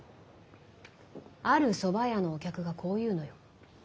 ある蕎麦屋のお客がこう言うのよ。